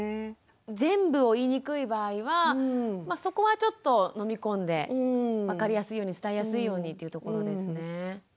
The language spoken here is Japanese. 全部を言いにくい場合はそこはちょっとのみ込んで分かりやすいように伝えやすいようにというところですね。